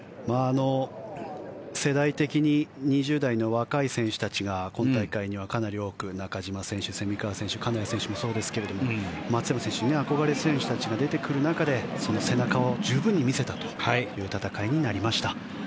世代的に２０代の若い選手たちが今大会にはかなり多く中島選手、蝉川選手金谷選手もそうですが松山選手に憧れている選手が出てくる中でその背中を十分に見せたという戦いになりました。